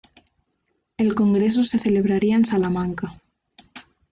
El congreso se celebraría en Salamanca.